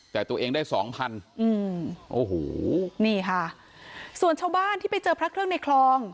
แต่ตัวเองได้สองพันอืมโอ้โหนี่ค่ะส่วนชาวบ้านที่ไปเจอพระเครื่องในคลอง